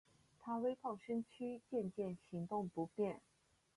她微胖身躯渐渐行动不便